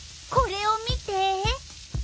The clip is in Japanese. これを見て！